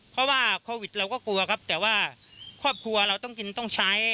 เพราะว่าโควิดเราก็กลัวครับแต่ว่าครอบครัวเราต้องกินต้องใช้